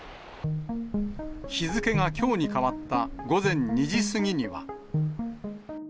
日付がきょうに変わった午前２時過ぎには。